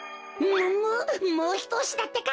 むむもうひとおしだってか！